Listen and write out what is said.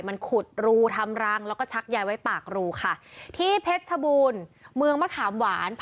มันขุดรูทำรังแล้วก็ชักยายไว้ปากรูค่ะที่เพชรชบูรณ์เมืองมะขามหวาน